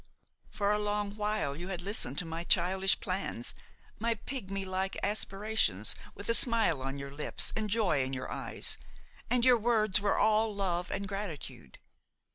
For a long while you had listened to my childish plans, my pygmy like aspirations, with a smile on your lips and joy in your eyes, and your words were all love and gratitude.